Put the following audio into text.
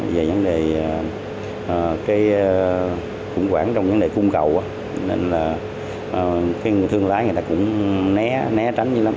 về vấn đề khủng quản trong vấn đề cung cầu thương lái người ta cũng né tránh như lắm